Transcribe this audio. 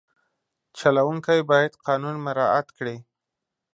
چلوونکی باید قانون مراعت کړي.